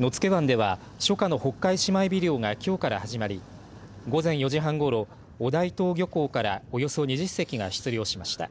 野付湾では初夏のホッカイシマエビ漁がきょうから始まり午前４時半ごろ尾岱沼漁港からおよそ２０隻が出漁しました。